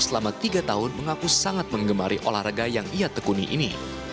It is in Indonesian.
selama tiga tahun mengaku sangat mengemari olahraga yang ia tekuni ini